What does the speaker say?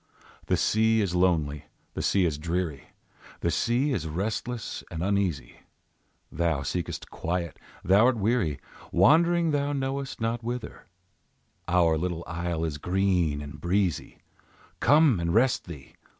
The sea is lonely, the sea is dreary, The sea is restless and uneasy; Thou seekest quiet, thou art weary, Wandering thou knowest not whither; Our little isle is green and breezy, Come and rest thee!